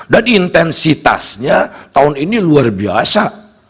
dan intensitasnya tahun ini luar biasa